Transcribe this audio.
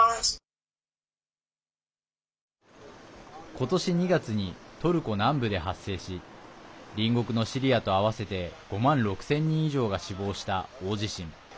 今年２月にトルコ南部で発生し隣国のシリアと合わせて５万６０００人以上が死亡した大地震。